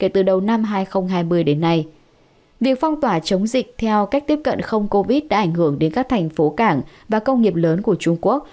từ đầu năm hai nghìn hai mươi đến nay việc phong tỏa chống dịch theo cách tiếp cận không covid đã ảnh hưởng đến các thành phố cảng và công nghiệp lớn của trung quốc